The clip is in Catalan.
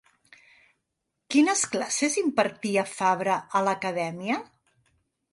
Quines classes impartia Fabra a l'acadèmia?